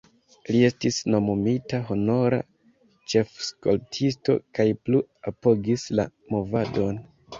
Li estis nomumita honora ĉef-skoltisto kaj plu apogis la movadon.